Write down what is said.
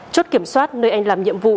chốt kiểm soát nơi anh làm nhiệm vụ